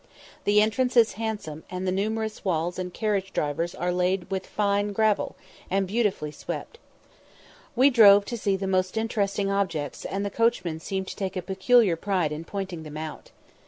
The entrance is handsome, and the numerous walls and carriage drives are laid with fine gravel, and beautifully swept. We drove to see the most interesting objects, and the coachman seemed to take a peculiar pride in pointing them out.